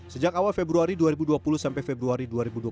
sejak awal februari dua ribu dua puluh sampai februari dua ribu dua puluh satu